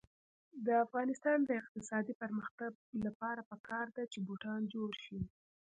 د افغانستان د اقتصادي پرمختګ لپاره پکار ده چې بوټان جوړ شي.